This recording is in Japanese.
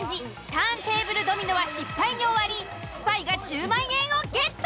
ターンテーブルドミノは失敗に終わりスパイが１０万円をゲット。